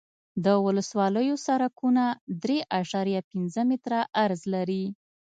د ولسوالیو سرکونه درې اعشاریه پنځه متره عرض لري